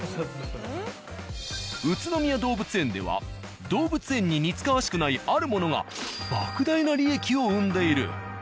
宇都宮動物園では動物園に似つかわしくないあるものが莫大な利益を生んでいる。